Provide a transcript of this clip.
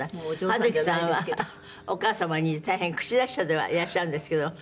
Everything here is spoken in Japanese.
はづきさんはお母様に似て大変口達者ではいらっしゃるんですけども。